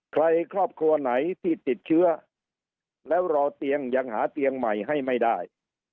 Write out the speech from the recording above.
ครอบครัวไหนที่ติดเชื้อแล้วรอเตียงยังหาเตียงใหม่ให้ไม่ได้